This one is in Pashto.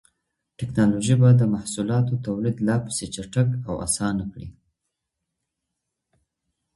ټکنالوژي به د محصولاتو توليد لا پسې چټک او اسانه کړي.